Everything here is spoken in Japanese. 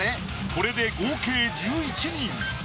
これで合計１１人。